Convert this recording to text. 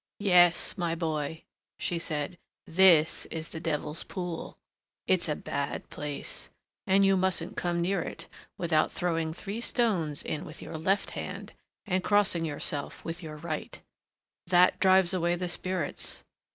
"Yes, my boy," she said, "this is the Devil's Pool. It's a bad place, and you mustn't come near it without throwing three stones in with your left hand and crossing yourself with your right: that drives away the spirits.